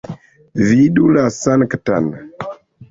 Vidu la Sanktan!